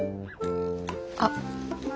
あっ。